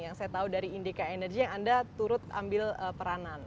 yang saya tahu dari indika energy yang anda turut ambil peranan